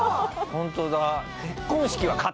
ホントだ。